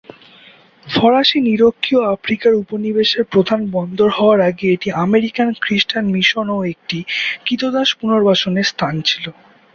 ফরাসী নিরক্ষীয় আফ্রিকার উপনিবেশের প্রধান বন্দর হওয়ার আগে এটি আমেরিকান খ্রিস্টান মিশন ও একটি ক্রীতদাস পুনর্বাসনের স্থান ছিল।